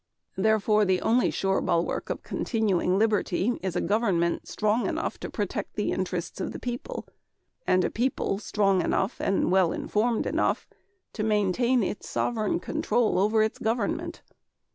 Therefore, the only sure bulwark of continuing liberty is a government strong enough to protect the interests of the people, and a people strong enough and well enough informed to maintain its sovereign control over its government.